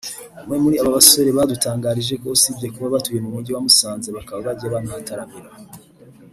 umwe muri aba basore yadutangarije ko usibye kuba batuye mu mujyi wa Musanze bakaba bajya banahataramira